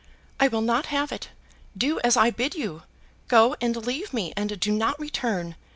"I will not have it. Do as I bid you. Go and leave me, and do not return.